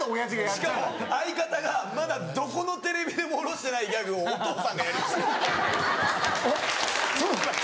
しかも相方がまだどこのテレビでも下ろしてないギャグをお父さんがやりました。